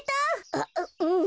あっうん。